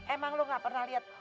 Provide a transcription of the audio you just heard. emang lu gak pernah liat